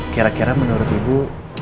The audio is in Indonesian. kira kira menurut ibu